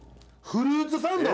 フルーツサンド？